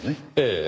ええ。